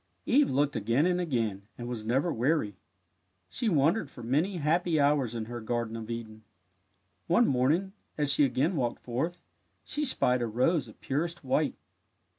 Eve looked again and again, and was never weary. She wandered for many happy hours in her Garden of Eden. One morning, as she again walked forth, she spied a rose of purest white.